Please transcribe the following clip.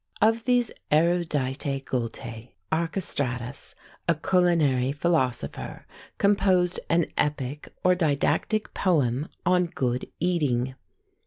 Of these EruditÃḊ gultÃḊ Archestratus, a culinary philosopher, composed an epic or didactic poem on good eating.